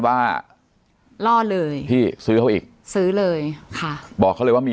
ว่าล่อเลยพี่ซื้อเขาอีกซื้อเลยค่ะบอกเขาเลยว่ามี